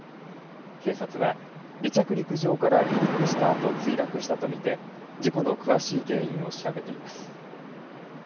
警察は離着陸場から離陸したあと墜落したと見て事故の詳しい原因を調べています。